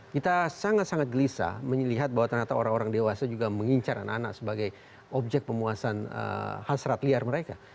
kita sangat sangat gelisah melihat bahwa ternyata orang orang dewasa juga mengincar anak anak sebagai objek pemuasan hasrat liar mereka